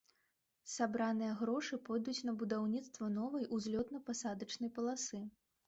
Сабраныя грошы пойдуць на будаўніцтва новай узлётна-пасадачнай паласы.